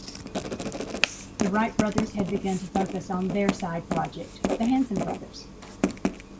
The Wright brothers had begun to focus on their side project, The Hanson Brothers.